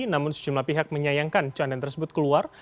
namun sejumlah pihak menyayangkan candaan tersebut keluar